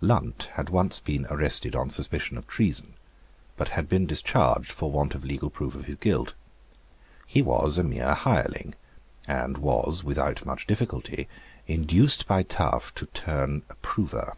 Lunt had once been arrested on suspicion of treason, but had been discharged for want of legal proof of his guilt. He was a mere hireling, and was, without much difficulty, induced by Taaffe to turn approver.